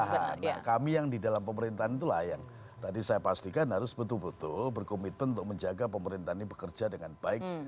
nah kami yang di dalam pemerintahan itulah yang tadi saya pastikan harus betul betul berkomitmen untuk menjaga pemerintahan ini bekerja dengan baik